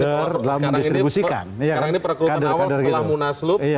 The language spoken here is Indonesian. sekarang ini perekrutan awal setelah munaslup